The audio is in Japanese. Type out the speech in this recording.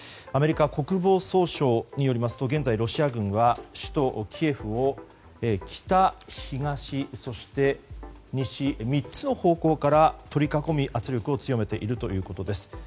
アメリカ国防総省によりますと現在、ロシア軍は首都キエフを北、東、そして西３つの方向から取り囲み、圧力を強めているということです。